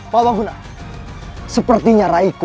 pak baguna sepertinya rayu